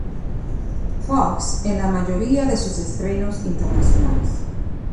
Fox" en la mayoría de sus estrenos internacionales.